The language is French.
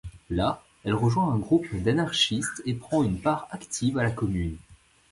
Là, elle rejoint un groupe d'anarchistes et prend une part active à la Commune.